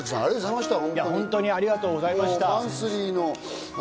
清塚さん、本当にありがとうございました。